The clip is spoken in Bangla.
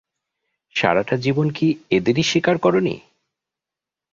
সারাটাজীবন কি এদেরই শিকার করোনি?